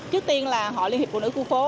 trước tiên là hội liên hiệp phụ nữ khu phố